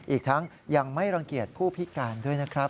อีกทั้งยังไม่รังเกียจผู้พิการด้วยนะครับ